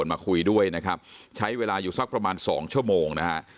มาคุยด้วยนะครับใช้เวลาอยู่สักประมาณสองชั่วโมงนะฮะ